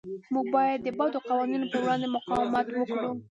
موږ باید د بدو قوانینو پر وړاندې مقاومت وکړو.